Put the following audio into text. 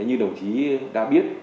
như đồng chí đã biết